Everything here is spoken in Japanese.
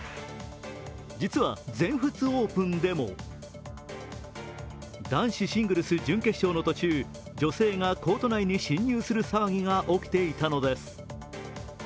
実は全仏オープンでも男子シングルス準決勝の途中、女性がコート内に侵入する騒ぎが起きていたのです。